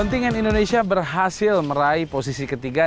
kontingen indonesia berhasil meraih posisi ketiga